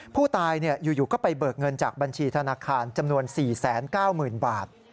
ผู้ตายอยู่ก็ไปเบิกเงินจากบัญชีธนาคารจำนวน๔๙๐๐๐บาท